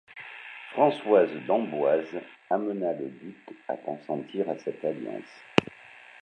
Françoise d'Amboise amena le duc à consentir à cette alliance.